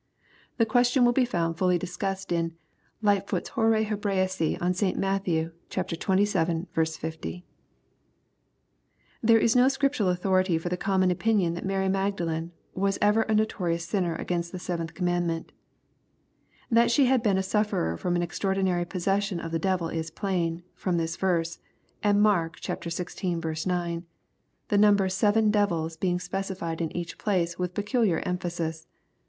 The question will be found fully discussed m Lightfoot's Horas HebraicsB on St Matthew xxviL 50. There is no Scriptural authority for the common opinion that Mary Magdalene was ever a notorious sinner against the seventh commandment That she had been a sufferer from an extraordi nary possession of the devil is plain, from this verse, and Mark xvL 9., the number " seven devils" being specified in each place with peculiar emphasis.